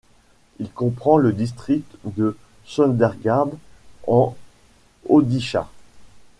Il comprend le district de Sundergarh en Odisha.